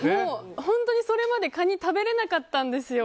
本当に、それまでカニ食べれなかったんですよ